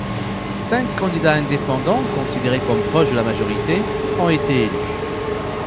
Cinq candidats indépendants, considérés comme proches de la majorité, ont été élus.